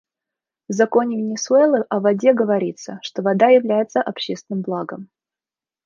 В законе Венесуэлы о воде говорится, что вода является общественным благом.